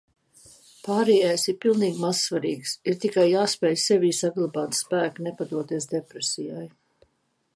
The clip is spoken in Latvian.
Pārējais ir pilnīgi mazsvarīgs, ir tikai jāspēj sevī saglabāt spēku nepadoties depresijai.